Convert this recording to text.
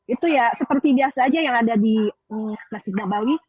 itu ya seperti biasa aja yang ada di masjid nabawi